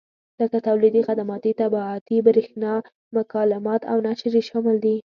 لکه تولیدي، خدماتي، طباعتي، برېښنایي مکالمات او نشر یې شامل دي.